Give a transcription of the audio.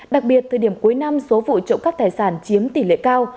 đặc biệt thời điểm cuối năm số vụ trộm cắp tài sản chiếm tỷ lệ cao